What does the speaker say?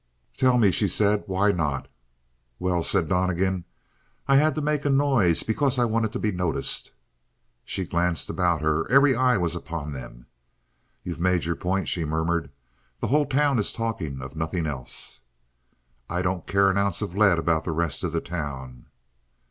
"Tell me," she said. "Why not?" "Well," said Donnegan. "I had to make a noise because I wanted to be noticed." She glanced about her; every eye was upon them. "You've made your point," she murmured. "The whole town is talking of nothing else." "I don't care an ounce of lead about the rest of the town."